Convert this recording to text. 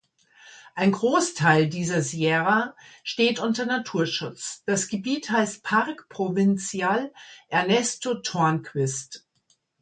Ein Großteil dieser Sierra steht unter Naturschutz; das Gebiet heißt Parque Provincial Ernesto Tornquist.